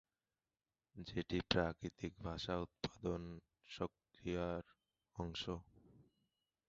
যেটি প্রাকৃতিক ভাষা উৎপাদন প্রক্রিয়ার অংশ।